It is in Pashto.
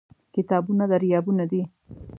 کتابونه دریابونه دي.